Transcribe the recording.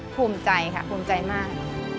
ภูมิใจค่ะภูมิใจมาก